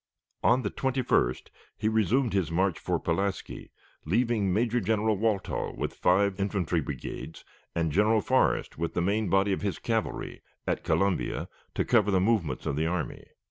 On the 21st he resumed his march for Pulaski, leaving Major General Walthall, with five infantry brigades, and General Forrest, with the main body of his cavalry, at Columbia, to cover the movements of the army.